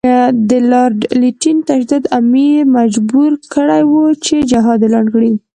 د لارډ لیټن تشدد امیر مجبور کړی وو چې جهاد اعلان کړي.